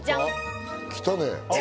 来たね。